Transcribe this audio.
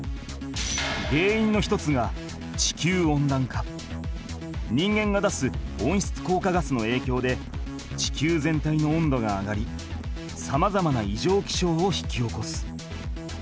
げんいんの一つが人間が出すおんしつこうかガスのえいきょうで地球全体の温度が上がりさまざまないじょうきしょうを引き起こす。